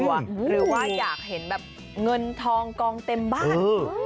หรือว่าอยากเห็นแบบเงินทองกองเต็มบ้าน